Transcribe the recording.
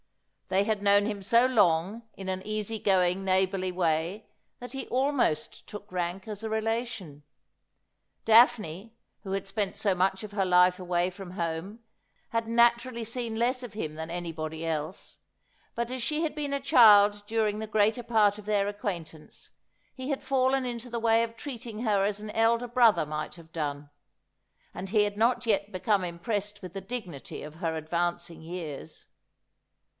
They had known him so long in an easy going neighbourly way that he almost took rank as a relation. Daphne, who had spent so much of her life away from home, had naturally seen less of him than anybody else ; but as she had been a child dur ing the greater part of their acquaintance, he had fallen into the way of treating her as an elder brother might have done ; and he had not yet become impressed with the dignity of her advancing years.